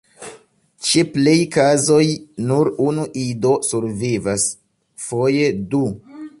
Ĉe plej kazoj nur unu ido survivas, foje du.